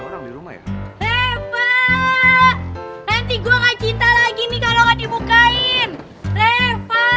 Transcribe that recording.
gak ada orang di rumah ya